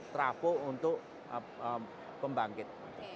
trafo untuk pembangkit